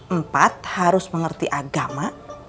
empat harus mengerti agama